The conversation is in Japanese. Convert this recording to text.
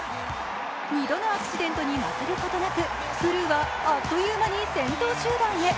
２度のアクシデントに負けることなくブルーはあっという間に先頭集団へ。